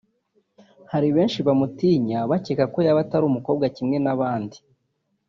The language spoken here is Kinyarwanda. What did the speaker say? hari benshi bamutinya bakeka ko yaba atari umukobwa kimwe n’abandi